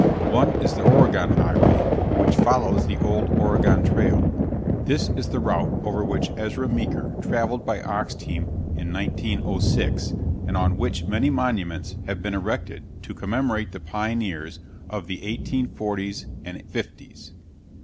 One is the Oregon Highway, which follows the old Oregon Trail. This is the route over which Ezra Meeker traveled by ox team in 1906 and on which many monuments have been erected to commemorate the pioneers of the 1840's and '50's.